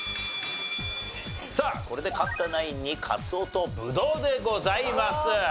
さあこれで勝ったナインにカツオとブドウでございます。